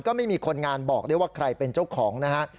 ไม่มีคนงานบอกได้ว่าใครเป็นเจ้าของนะฮะ